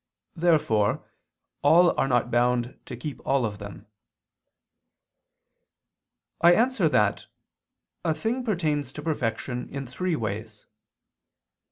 Therefore all are not bound to keep all of them. I answer that, A thing pertains to perfection in three ways.